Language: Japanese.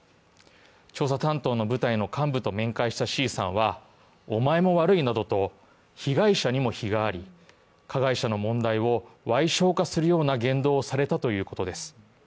調査担当の部隊の幹部と面談したＣさんは「お前も悪いなどと」被害者にも非があり加害者の問題をわい小化するような言動をされたということです。